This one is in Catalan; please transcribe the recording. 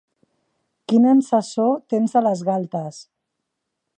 Quina encesor tens a les galtes!